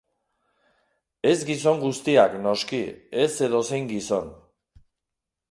Ez gizon guztiak, noski, ez edozein gizon.